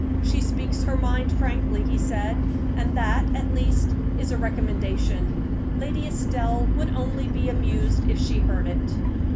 "She speaks her mind frankly," he said, "and that, at least, is a recommendation. Lady Estelle would only be amused if she heard it."